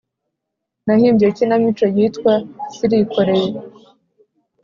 nahimbye ikinamico yitwa “sirikoreye”,